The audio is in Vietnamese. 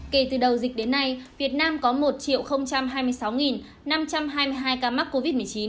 kể từ đầu dịch đến nay việt nam có một hai mươi sáu năm trăm hai mươi hai ca mắc covid một mươi chín